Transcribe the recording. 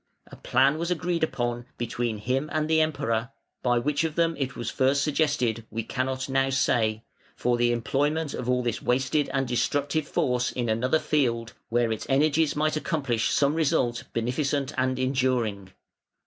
A plan was agreed upon between him and the Emperor (by which of them it was first suggested we cannot now say) for the employment of all this wasted and destructive force in another field, where its energies might accomplish some result beneficent and enduring.